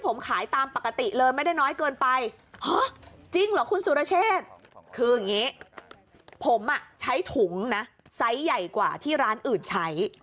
ผมใช้ถุงไซส์ใหญ่กว่าที่ร้านอื่นใช้